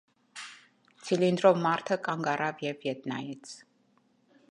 Ցիլինդրով մարդը կանգ առավ և ետ նայեց: